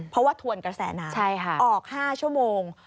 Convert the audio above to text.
เพราะว่าทวนกระแสน้ำออก๕ชั่วโมง